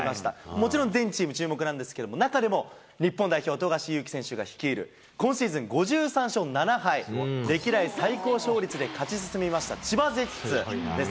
もちろん全チーム注目なんですけれども、中でも日本代表、富樫勇樹選手が率いる今シーズン５３勝７敗と、歴代最高勝率で勝ち進みました千葉ジェッツです。